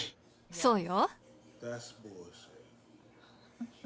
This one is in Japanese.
そうよ。